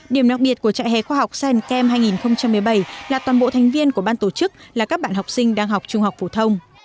điểm đặc biệt của trại hè khoa học san cam hai nghìn một mươi bảy là toàn bộ thành viên của ban tổ chức là các bạn học sinh đang học trung học phổ thông